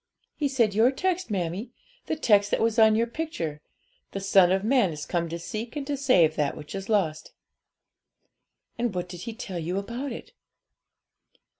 'He said your text, mammie the text that was on your picture: "The Son of Man is come to seek and to save that which is lost."' 'And what did he tell you about it?'